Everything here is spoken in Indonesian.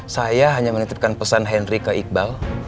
saya hanya menitipkan pesan henry ke iqbal